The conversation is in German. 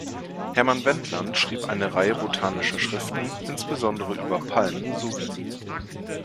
Hermann Wendland schrieb eine Reihe botanischer Schriften, insbesondere über Palmen, sowie